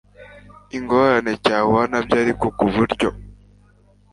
ingorane cyahura nabyo ariko ku buryo